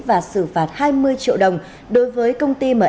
và xử phạt hai mươi triệu đồng đối với công ty mc